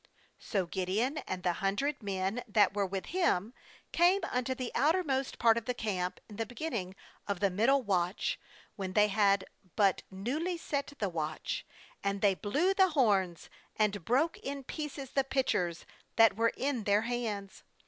19So Gideon, and the hundred men that were with him, came unto the outermost part of the camp in the beginning of the middle watch, when they had but newly set the watch; and they blew the horns, and broke in pieces the pitchers that were in then* hands.